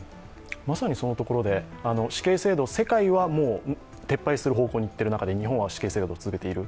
まさにそのところで、死刑制度、世界は撤廃する方向にいっている中で日本は死刑制度を続けている。